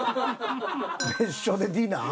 別所でディナー？